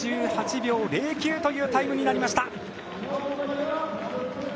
３８秒０９というタイムになりました。